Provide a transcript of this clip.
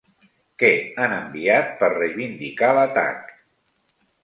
Què han enviat per reivindicar l'atac?